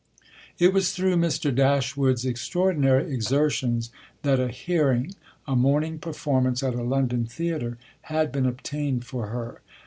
It was through Mr. Dashwood's extraordinary exertions that a hearing a morning performance at a London theatre had been obtained for her.